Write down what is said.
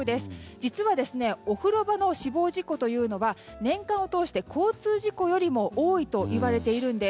実はお風呂場の死亡事故は年間を通して交通事故よりも多いといわれているんです。